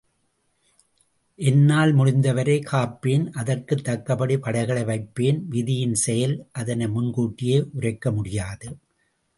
என்னால் முடிந்தவரை காப்பேன் அதற்குத் தக்கபடி படைகளை வைப்பேன் விதியின் செயல் அதனை முன்கூட்டி உரைக்க முடியாது.